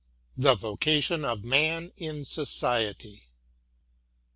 THE VOCATION OF MAN IN SOCIETY.